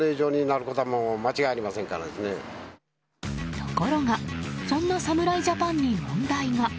ところがそんな侍ジャパンに問題が。